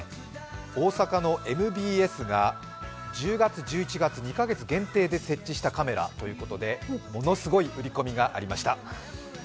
大阪のＭＢＳが１０月１１月２カ月限定で設置したカメラということでものすごい売り込みがありました。